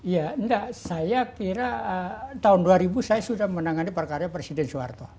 ya enggak saya kira tahun dua ribu saya sudah menangani perkara presiden soeharto